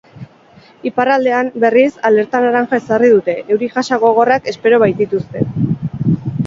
Iparraldean, berriz, alerta laranja ezarri dute, euri-jasa gogorrak espero baitituzte.